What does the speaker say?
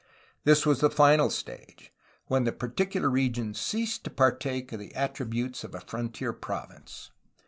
This was the final stage, when the particular region ceased to partake of the attributes of a frontier province.